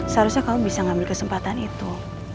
seharusnya kamu bisa ngambil kesempatan itu